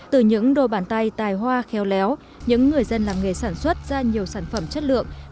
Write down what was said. từ những đôi bàn tay tài hoa khéo léo những người dân làm nghề sản xuất ra nhiều sản phẩm chất lượng